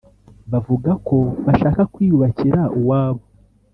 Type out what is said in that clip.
bavuga ko bashaka kwiyubakira uwabo